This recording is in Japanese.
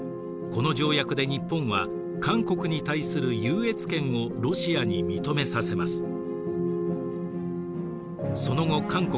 この条約で日本は韓国に対する優越権をロシアに認めさせます。